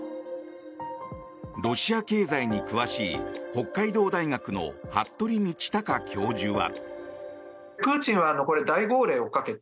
ロシア経済に詳しい北海道大学の服部倫卓教授は。